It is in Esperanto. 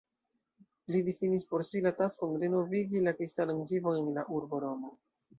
Li difinis por si la taskon renovigi la kristanan vivon en la urbo Romo.